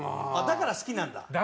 だから好きなんだよね。